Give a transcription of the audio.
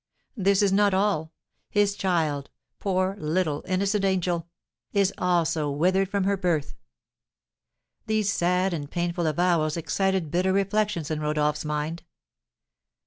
This is not all: his child, poor little innocent angel! is also withered from her birth. These sad and painful avowals excited bitter reflections in Rodolph's mind.